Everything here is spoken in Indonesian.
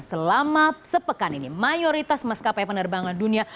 selama sepekan ini mayoritas maskapai penerbangan dunia